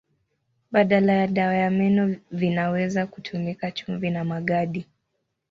Badala ya dawa ya meno vinaweza kutumika chumvi na magadi.